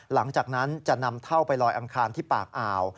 หลังจากนั้นจะนำเท่าไปลอยอังคารที่ปากอ่าว